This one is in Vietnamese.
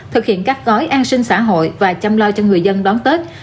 thực hiện các gói an sinh xã hội và chăm lo cho người dân đón tết